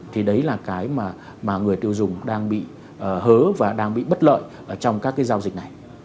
thì đấy là cái mà người tiêu dùng đang bị hớ và đang bị bất lợi trong các cái giao dịch này